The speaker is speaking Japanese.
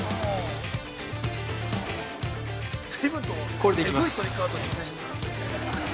◆これで行きます。